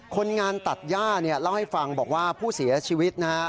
คนงานตัดย่าเนี่ยเล่าให้ฟังบอกว่าผู้เสียชีวิตนะฮะ